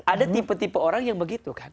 ada tipe tipe orang yang begitu kan